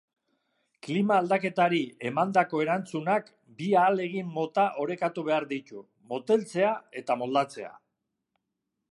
Klima-aldaketari emandako erantzunak bi ahalegin mota orekatu behar ditu, moteltzea eta moldatzea.